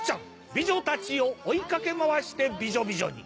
美女たちを追い掛け回してビジョビジョに。